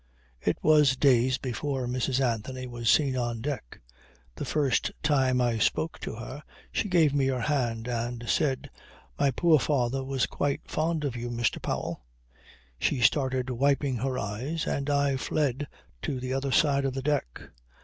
It was days before Mrs. Anthony was seen on deck. The first time I spoke to her she gave me her hand and said, "My poor father was quite fond of you, Mr. Powell." She started wiping her eyes and I fled to the other side of the deck.